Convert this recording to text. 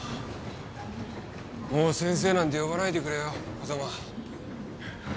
もう「先生」なんて呼ばないでくれよ風真。